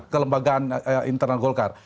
kelembagaan internal golkar